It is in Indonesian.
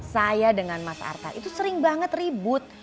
saya dengan mas arta itu sering banget ribut